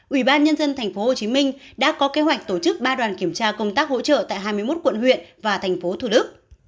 ủy ban nhân dân tp hcm đã có kế hoạch tổ chức ba đoàn kiểm tra công tác hỗ trợ tại hai mươi một quận huyện và thành phố thủ đức